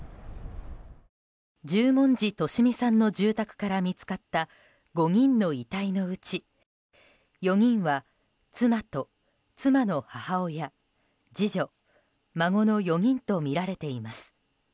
十文字利美さんの住宅から見つかった５人の遺体のうち４人は妻と妻の母親次女、孫の４人とみられています。